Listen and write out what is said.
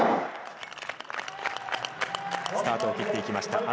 スタートを切っていきました。